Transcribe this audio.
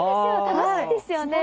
楽しいですよね。